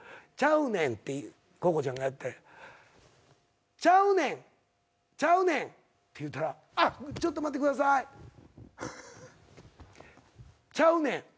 「ちゃうねん」ってココちゃんがやって「ちゃうねんちゃうねん」って言うたら「あっちょっと待ってください」「ちゃうねん」